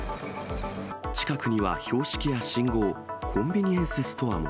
近くには標識や信号、コンビニエンスストアも。